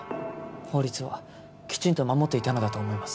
法律はきちんと守っていたのだと思います